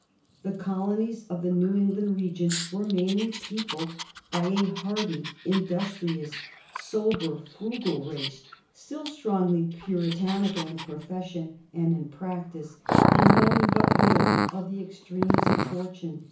The colonies of the New England region were mainly peopled by a hardy, industrious, sober, frugal race, still strongly Puritanical in profession and in practice, and knowing but little of the extremes of fortune.